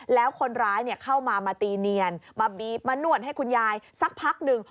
แล้วคนร้ายเข้ามามาตีเนียนมาบีบมานวดให้คุณยายสักพักหนึ่ง